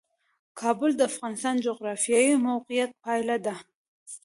کابل د افغانستان د جغرافیایي موقیعت پایله ده.